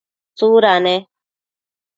tsuda ne?